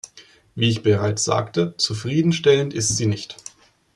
Wie ich bereits sagte, zufriedenstellend ist sie nicht.